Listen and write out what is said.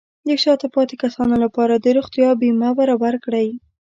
د شاته پاتې کسانو لپاره د روغتیا بیمه برابر کړئ.